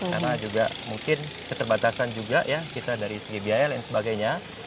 karena mungkin keterbatasan juga kita dari segi biaya dan sebagainya